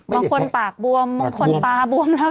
บางคนปากบวมบางคนตาบวมแล้ว